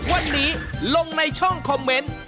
วันนี้ลงในช่องคอมเมนต์